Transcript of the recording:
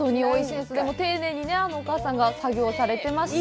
でも丁寧にあのお母さんが作業されてまして。